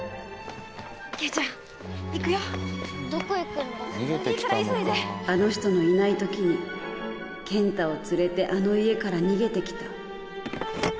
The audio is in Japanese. ケンちゃんいいから急いであの人のいない時に健太を連れてあの家から逃げてきた。